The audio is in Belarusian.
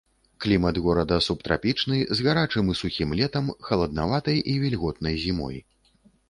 Клімат горада субтрапічны з гарачым і сухім летам, халаднаватай і вільготнай зімой.